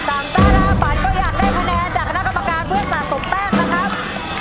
แต้มหน้าฝันก็อยากได้คะแนนจากคณะกรรมการเพื่อสะสมแต้มนะครับ